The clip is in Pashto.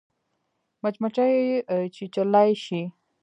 مچمچۍ چیچلای شي